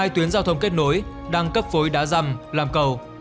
hai tuyến giao thông kết nối đang cấp phối đá răm làm cầu